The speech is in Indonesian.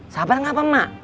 sabar gak apa mak